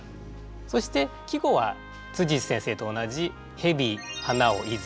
そして季語は内先生と同じ「蛇穴を出づ」。